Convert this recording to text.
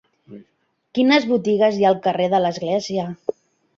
Quines botigues hi ha al carrer de l'Església?